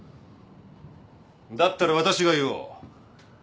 だったら私が言おう。